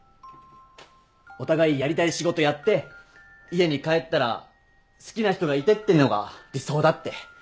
お互いやりたい仕事やって家に帰ったら好きな人がいてってのが理想だって。